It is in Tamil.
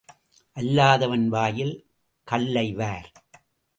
அல்லாதவன் வாயில் கள்ளை வார்.